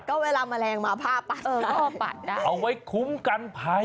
ก็เวลาแมลงมาผ้าปัดก็ปัดได้เอาไว้คุ้มกันภัย